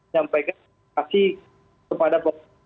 sampaikan kasih kepada